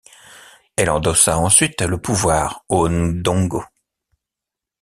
Elle endossa ensuite le pouvoir au Ndongo.